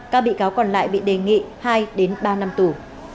các bị cáo còn lại bị đề nghị hai ba năm tù